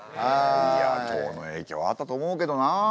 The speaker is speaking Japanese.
いや唐の影響はあったと思うけどな。